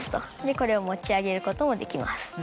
これを持ち上げることもできます。